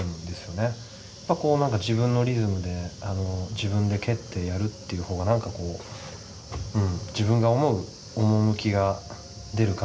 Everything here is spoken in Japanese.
まあこう何か自分のリズムで自分で蹴ってやるっていう方が何かこううん自分が思う趣が出る感じがするんですよね。